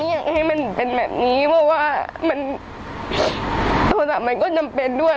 อยากให้มันเป็นแบบนี้เพราะว่ามันโทรศัพท์มันก็จำเป็นด้วย